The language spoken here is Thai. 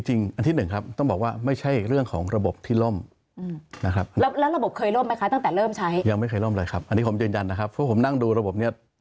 ก็จริงอันที่หนึ่งครับต้องบอกว่าไม่ใช่เรื่องของระบบที่ล่มนะครับ